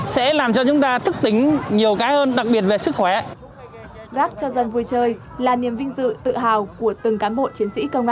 để cho chúng ta thức tính nhiều cái hơn đặc biệt về sức khỏe